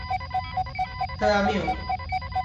হ্যাঁ, আমিও।